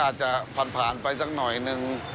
อาจจะผ่านไปสักหน่อยนึง